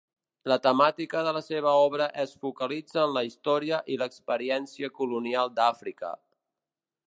La temàtica de la seva obra es focalitza en la història i l'experiència colonial d’Àfrica.